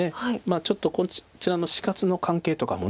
ちょっとこちらの死活の関係とかも。